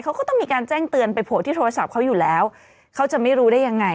เขาก็ต้องมีการแจ้งเตือนไปโผล่ที่โทรศัพท์เขาอยู่แล้วเขาจะไม่รู้ได้ยังไง